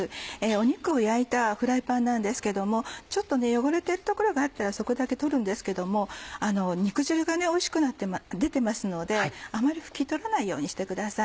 肉を焼いたフライパンなんですけどもちょっと汚れてる所があったらそこだけ取るんですけども肉汁がおいしくなって出てますのであまり拭き取らないようにしてください。